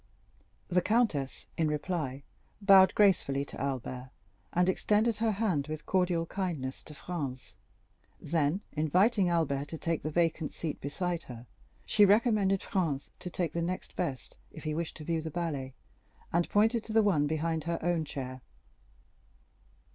The countess, in reply, bowed gracefully to Albert, and extended her hand with cordial kindness to Franz; then, inviting Albert to take the vacant seat beside her, she recommended Franz to take the next best, if he wished to view the ballet, and pointed to the one behind her own chair.